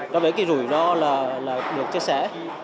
đối với cái rủi ro là được chia sẻ